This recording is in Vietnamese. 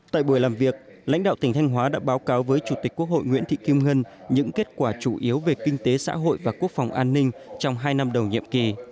tại buổi làm việc lãnh đạo tỉnh thanh hóa đã báo cáo với chủ tịch quốc hội nguyễn thị kim ngân những kết quả chủ yếu về kinh tế xã hội và quốc phòng an ninh trong hai năm đầu nhiệm kỳ